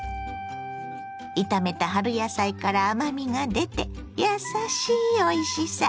炒めた春野菜から甘みが出てやさしいおいしさ。